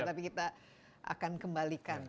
tapi kita akan kembalikan